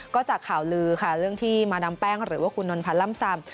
ก็จากข่าวลือค่ะเรื่องที่มาดามแป้งหรือว่าคุณนนพันธ์ล่ำซำ